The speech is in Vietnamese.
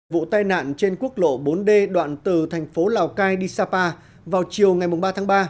vụ tai nạn trên quốc lộ bốn d đoạn từ thành phố lào cai đi sapa vào chiều ngày ba tháng ba